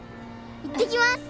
いってきます！